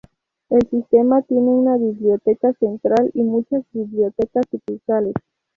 El sistema tiene una biblioteca central y muchas bibliotecas sucursales.